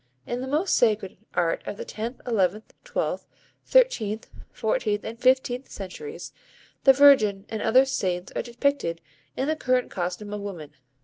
In most of the sacred art of the tenth, eleventh, twelfth, thirteenth, fourteenth and fifteenth centuries, the Virgin and other saints are depicted in the current costume of woman.